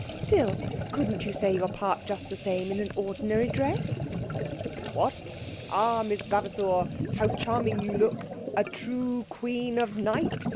Still, couldn't you say your part just the same in an ordinary dress?' 'What! _"Ah, Miss Vavasour, how charming you look a true Queen of Night!"